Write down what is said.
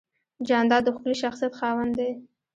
جانداد د ښکلي شخصیت خاوند دی.